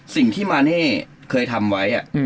สิ่งที่มาเน่เคยทำไว้